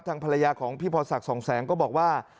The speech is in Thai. ภรรยาของพี่พรศักดิ์สองแสงก็บอกว่า